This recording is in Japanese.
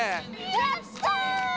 やった！